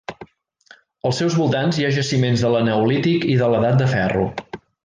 Als seus voltants hi ha jaciments de l'eneolític i de l'Edat de Ferro.